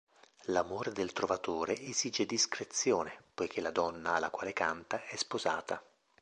L'amore del trovatore esige discrezione, poiché la donna alla quale canta è sposata.